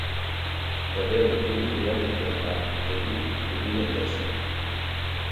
Devê rûvî ne digehe tirî digo yê tirş e